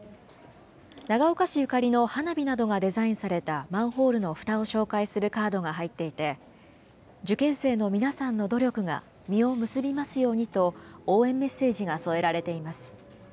長岡市ゆかりの花火などがデザインされたマンホールのふたを紹介するカードが入っていて、受験生の皆さんの努力が実を結びますようにと、応援メッセージが添えられています。